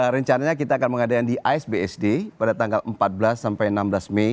rencananya kita akan mengadakan di asbsd pada tanggal empat belas sampai enam belas mei